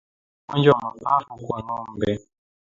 Ugonjwa wa mapafu kwa ngombe